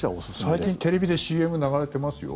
最近テレビでＣＭ流れてますよ。